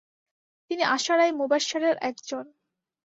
তিনি আশারায়ে মুবাশশারারএকজন।